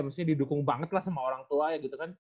maksudnya didukung banget lah sama orang tua ya gitu kan